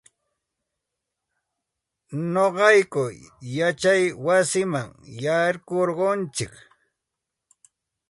Nuqayku yachay wasiman yaykurquntsik.